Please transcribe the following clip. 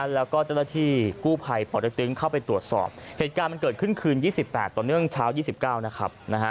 แล้วก็เจ้าหน้าที่กู้ภัยปเต็กตึงเข้าไปตรวจสอบเหตุการณ์มันเกิดขึ้นคืน๒๘ต่อเนื่องเช้า๒๙นะครับ